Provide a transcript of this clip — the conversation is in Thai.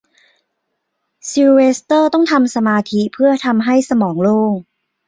ซิลเวสเตอร์ต้องทำสมาธิเพื่อทำให้สมองโล่ง